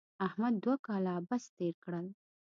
احمد دوه کاله عبث تېر کړل.